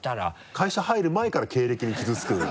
会社に入る前から経歴に傷つく